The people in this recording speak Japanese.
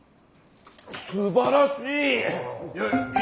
すばらしい。